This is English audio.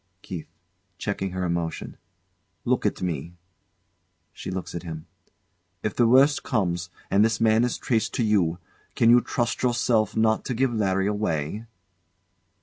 KEITH. [Checking her emotion] Look at me. [She looks at him.] If the worst comes, and this man is traced to you, can you trust yourself not to give Larry away?